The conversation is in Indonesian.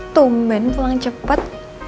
tumben pulang cepet